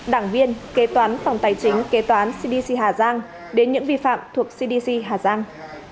đảng viên kế toán phòng tài chính kế toán cdc hà giang đến những vi phạm thuộc cdc hà giang